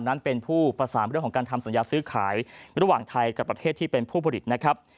นั้นเป็นผู้ประสานเรื่องของการทำสัญญาซื้อขายระหว่างไทยกับประเทศที่เป็นผู้ผลิตนะครับ